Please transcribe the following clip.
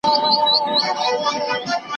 رب دي زما په شان مئین کړه